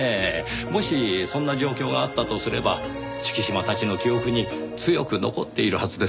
もしそんな状況があったとすれば敷島たちの記憶に強く残っているはずです。